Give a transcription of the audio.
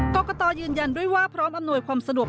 กรกตยืนยันด้วยว่าพร้อมอำนวยความสะดวก